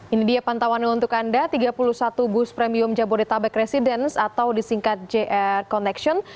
ini dia pantauannya untuk anda tiga puluh satu bus premium jabodetabek residence atau disingkat jr connection